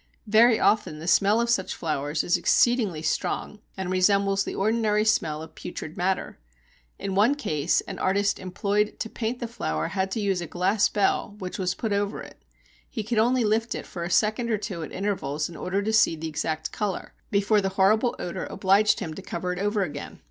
Very often the smell of such flowers is exceedingly strong, and resembles the ordinary smell of putrid matter. In one case an artist employed to paint the flower had to use a glass bell, which was put over it. He could only lift it for a second or two at intervals in order to see the exact colour, before the horrible odour obliged him to cover it over again.